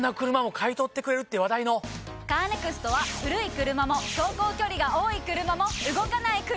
カーネクストは古い車も走行距離が多い車も動かない車でも。